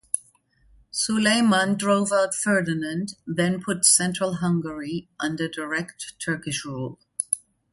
Suleiman drove out Ferdinand, then put central Hungary under direct Turkish rule.